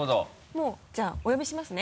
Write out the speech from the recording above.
もうじゃあお呼びしますね。